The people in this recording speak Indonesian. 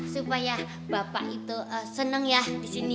supaya bapak itu seneng ya di sini ya